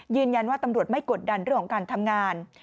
ยืนยันว่าตำรวจไม่กดดันเรื่องของการทำงาน